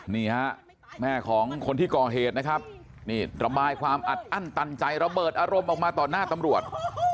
นี่ฮะแม่ของคนที่ก่อเหตุนะครับนี่ระบายความอัดอั้นตันใจระเบิดอารมณ์ออกมาต่อหน้าตำรวจ